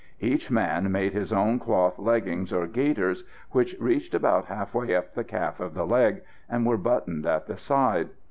Each man made his own cloth leggings or gaiters, which reached about half way up the calf of the leg, and were buttoned at the side.